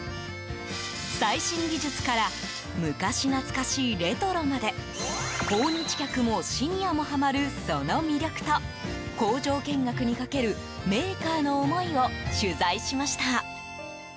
最新技術から昔懐かしいレトロまで訪日客もシニアもはまるその魅力と工場見学にかけるメーカーの思いを取材しました。